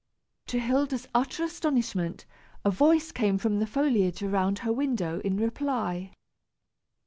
To Hilda's utter astonishment, a voice came from the foliage around her window, in reply.